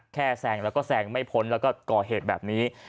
แซงแล้วก็แซงไม่พ้นแล้วก็ก่อเหตุแบบนี้